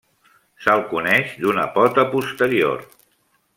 Se'l coneix d'una pota posterior.